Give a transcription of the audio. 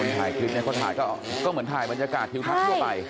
ถ่ายคลิปเนี่ยเขาถ่ายก็เหมือนถ่ายบรรยากาศทิวทัศน์ทั่วไป